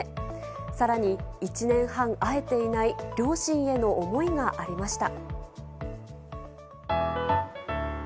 さらに１年半会えていない両親への思いがありました。